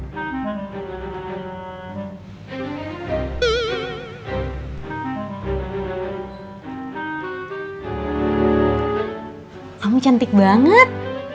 kamu cantik banget